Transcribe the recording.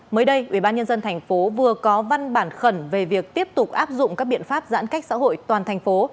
mới đây ubnd tp vừa có văn bản khẩn về việc tiếp tục áp dụng các biện pháp giãn cách xã hội toàn thành phố